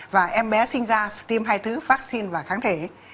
và em bé sinh ra tiêm hai thứ vaccine và hb sag dương tính